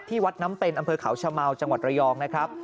วัดน้ำเป็นอำเภอเขาชะเมาจังหวัดระยองนะครับ